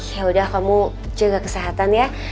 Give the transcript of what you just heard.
yaudah kamu jaga kesehatan ya